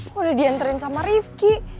kok udah dianterin sama rifki